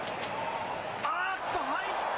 あっと、入った。